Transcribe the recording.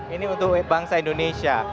ini untuk bangsa indonesia